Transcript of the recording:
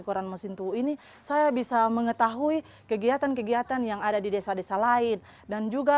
koran mosintowo ini saya bisa mengetahui kegiatan kegiatan yang ada di desa desa lain dan juga